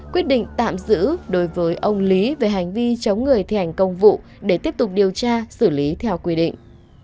quyết định tạm giữ đối với ông lý về hành vi chống người thi hành công vụ để tiếp tục điều tra xử lý theo quy định